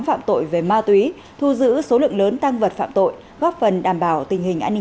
phạm tội về ma túy thu giữ số lượng lớn tăng vật phạm tội góp phần đảm bảo tình hình an ninh